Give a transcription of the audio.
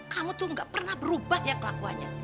kamu tuh gak pernah berubah ya kelakuannya